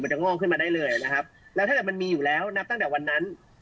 จะงอกขึ้นมาได้เลยนะครับแล้วถ้าเกิดมันมีอยู่แล้วนับตั้งแต่วันนั้น